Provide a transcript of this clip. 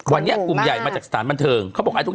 วันนี้กลุ่มใหญ่มาจากสถานบันเทิง